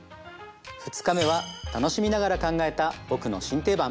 ２日目は楽しみながら考えた「ぼくの新定番」。